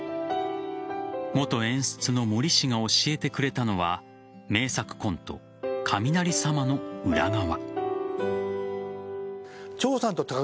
元演出の森氏が教えてくれたのは名作コント・雷様の裏側。